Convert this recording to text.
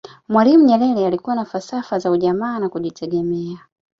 mwalimu nyerere alikuwa na falsafa za ujamaa na kujitegemea